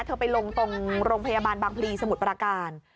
ไปลงตรงโรงพยาบาลบางพลีสมุทรประการ